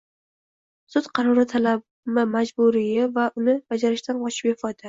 Sud qarori talabi majburiyi va uni bajarishdan qochish befoyda...